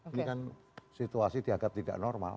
ini kan situasi dianggap tidak normal